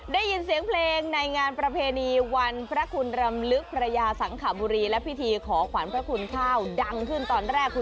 ได้ยินเสียงเพลงในงานประเพณีวันพระคุณรำลึกพระยาสังขบุรีและพิธีขอขวัญพระคุณข้าวดังขึ้นตอนแรกคือ